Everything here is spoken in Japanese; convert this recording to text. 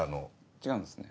違うんですね。